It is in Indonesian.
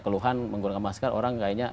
keluhan menggunakan masker orang kayaknya